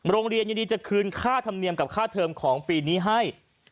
โรงเรียนยินดีจะคืนค่าธรรมเนียมกับค่าเทอมของปีนี้ให้